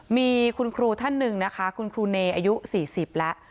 มีคุณครูท่านหนึ่งนะคะคุณครูเนอายุ๔๐แล้ว